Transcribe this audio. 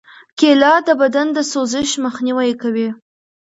کېله د بدن د سوزش مخنیوی کوي.